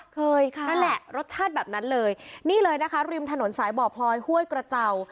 เคยค่ะนั่นแหละรสชาติแบบนั้นเลยนี่เลยนะคะริมถนนสายบ่อพลอยห้วยกระเจ้า